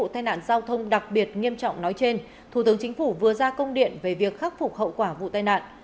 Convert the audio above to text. trong bộ phát triển nghiêm trọng nói trên thủ tướng chính phủ vừa ra công điện về việc khắc phục hậu quả vụ tai nạn